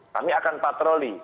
kami akan patroli